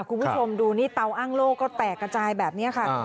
คุณผู้ชมดูนี่เตาอ้างโล่ก็แตกกระจายแบบนี้ค่ะ